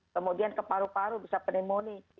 kemudian ke paru paru bisa pneumonia